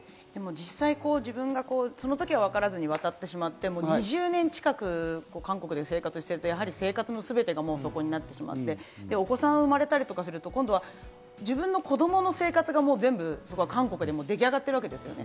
実際自分がその時は分からずに渡ってしまって２０年近く韓国で生活してるとやはり生活の全てがもうそこになってしまってお子さん生まれたりとかすると今度は自分の子どもの生活が全部韓国でできあがってるわけですよね。